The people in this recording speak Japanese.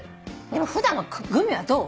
普段はグミはどう？